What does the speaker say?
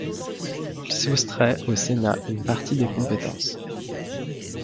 Il soustrait au Sénat une partie des compétences.